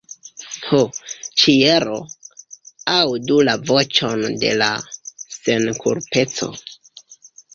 Ho ĉielo, aŭdu la voĉon de la senkulpeco!